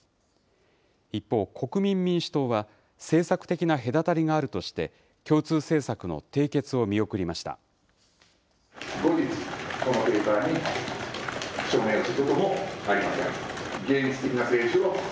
一方、国民民主党は、政策的な隔たりがあるとして、共通政策の締結を見送りました。